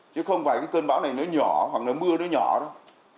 chứ không phải cái cơn bão này nó nhỏ hoặc là mưa nó nhỏ đâu